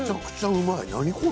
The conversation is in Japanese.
うまい！